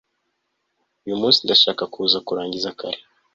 uyumunsi ndashaka kuza kurangiza kare